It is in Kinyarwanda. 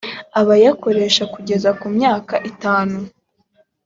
abayakoresha kugeza ku myaka itanu